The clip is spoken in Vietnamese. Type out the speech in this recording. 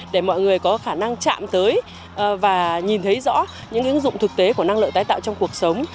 để mọi người có khả năng chạm tới và nhìn thấy rõ những ứng dụng thực tế của năng lượng tái tạo trong cuộc sống